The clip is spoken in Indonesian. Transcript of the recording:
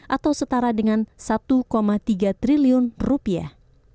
atau setara dengan satu tiga triliun rupiah